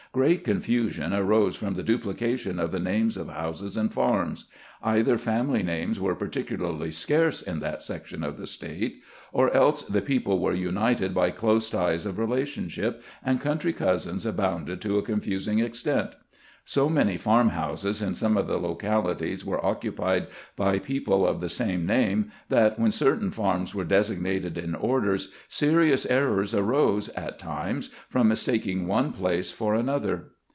Great confusion arose from the duplication of the names of houses and farms. Either family names were particularly scarce in that section of the State, or else the people were united by close ties of relationship, and country cousins abounded to a confusing extent. So many farm houses in some of the localities were occupied by people of the same name that, when certain farms were designated in orders, serious errors arose at times from mistaking one place for another.